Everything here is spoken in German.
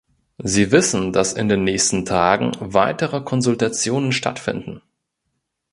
Sie wissen, dass in den nächsten Tagen weitere Konsultationen stattfinden.